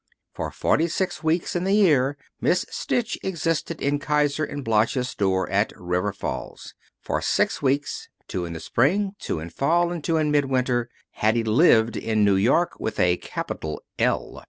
For forty six weeks in the year Miss Stitch existed in Kiser & Bloch's store at River Falls. For six weeks, two in spring, two in fall, and two in mid winter, Hattie lived in New York, with a capital L.